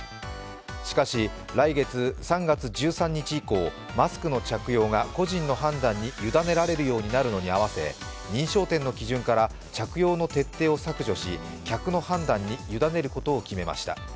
しかし、来月３月１３日以降、マスクの着用が個人の判断に委ねるようになるのに合わせ認証店の基準から着用の徹底を削除し、客の判断に委ねることを決めました。